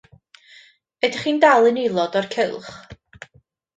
Ydych chi'n dal yn aelod o'r cylch?